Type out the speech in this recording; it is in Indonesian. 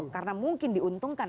karena mungkin diuntungkan